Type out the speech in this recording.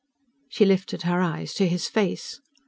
She lifted her eyes to his face.